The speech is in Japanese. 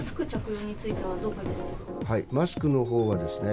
マスクのほうはですね